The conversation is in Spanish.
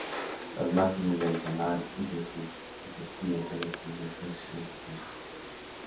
Las márgenes del canal y de sus acequias son actualmente transitables.